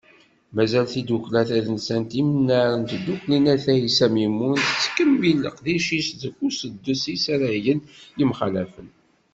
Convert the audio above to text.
Mazal tidukkla tadelsant Imnar n Tdukli n At Ɛisa Mimun, tettkemmil leqdic-is deg usuddes n yisaragen yemxalafen.